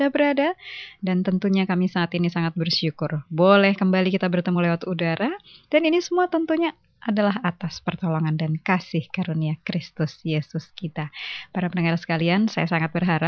bunga mawar tunggu bagi orang yang hargakan warna yang indah